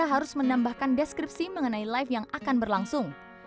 harus menambahkan deskripsi mengenai live yang akan berlangsung